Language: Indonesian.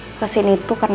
aku kesini tuh karena